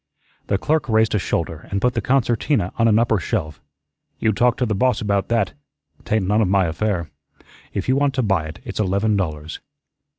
The clerk raised a shoulder and put the concertina on an upper shelf. "You talk to the boss about that; t'ain't none of my affair. If you want to buy it, it's eleven dollars."